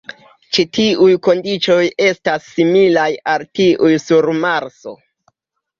Ĉi tiuj kondiĉoj estas similaj al tiuj sur Marso.